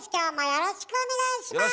よろしくお願いします。